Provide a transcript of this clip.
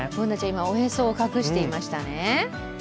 今、おへそを隠していましたね。